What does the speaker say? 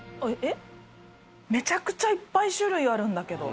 めちゃくちゃいっぱい種類あるんだけど。